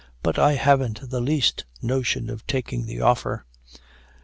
but I haven't the least notion of taking the offer.